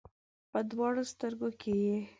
په دواړو سترګو کې یې